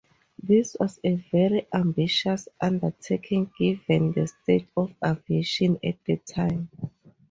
This was a very ambitious undertaking, given the state of aviation at the time.